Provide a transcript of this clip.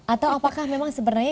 atau apakah memang sebenarnya